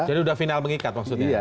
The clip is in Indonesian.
jadi udah final mengikat maksudnya